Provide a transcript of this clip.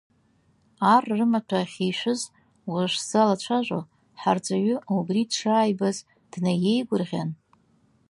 Ар рымаҭәа ахьишәыз уажә сзалацәажәо, ҳарҵаҩы убри дшааибаз, днаиеигәырӷьан…